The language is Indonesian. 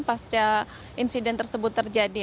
pasca insiden tersebut terjadi